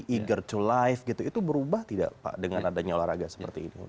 eager to life gitu itu berubah tidak pak dengan adanya olahraga seperti ini